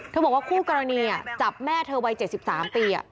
บอกว่าคู่กรณีจับแม่เธอวัย๗๓ปี